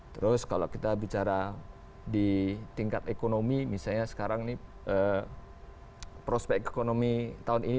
terus kalau kita bicara di tingkat ekonomi misalnya sekarang nih prospek ekonomi tahun ini